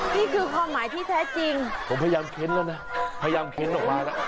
นี่คือความหมายที่แท้จริงผมพยายามเค้นแล้วนะพยายามเค้นออกมานะ